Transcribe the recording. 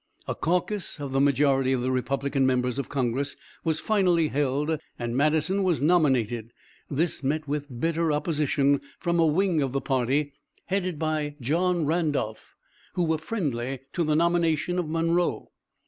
A caucus of the majority of the Republican members of Congress was finally held, and Madison was nominated. This met with bitter opposition from a wing of the party, headed by John Randolph, who were friendly to the nomination of Monroe.